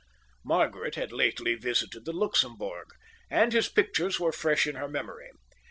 Margaret had lately visited the Luxembourg, and his pictures were fresh in her memory.